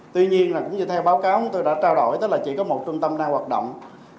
tuy nhiên cũng như theo báo cáo tôi đã trao đổi chỉ có một trung tâm đang hoạt động